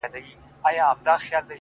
میاشته کېږي بې هویته؛ بې فرهنګ یم؛